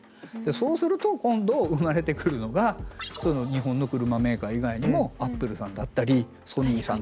そうすると今度生まれてくるのが日本の車メーカー以外にもアップルさんだったりソニーさんだったり。